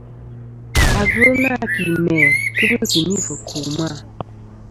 Agvɨl nâ ki mæ kɨ bu timi fɨ̀ ku ma.